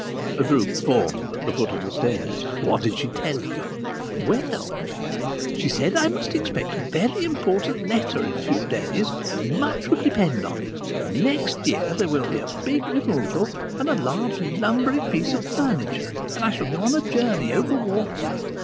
A group formed at the foot of the stairs. "What did she tell you?" "Well, she said I must expect a very important letter in a few days, and much would depend on it, and next year there will be a big removal, and a large lumbering piece of furniture, and I shall go a journey over water.